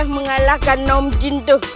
mengalahkan nom jin tuh